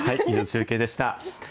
以上、中継でした。